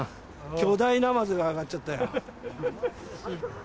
巨大ナマズがあがっちゃったよ。